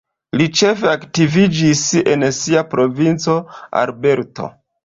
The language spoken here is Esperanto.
Li ĉefe aktiviĝis en sia provinco Alberto.